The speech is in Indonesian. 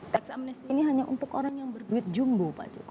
teks amnesty ini hanya untuk orang yang berduit jumbo pak jokowi